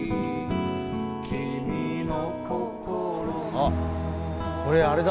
あこれあれだ。